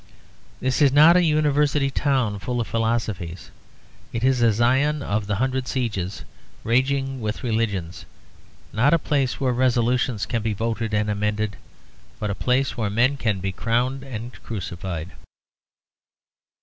This is not a university town full of philosophies; it is a Zion of the hundred sieges raging with religions; not a place where resolutions can be voted and amended, but a place where men can be crowned and crucified.